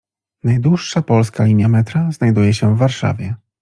Najdłuższa polska linia metra znajduje się w Warszawie.